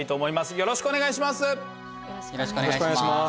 よろしくお願いします。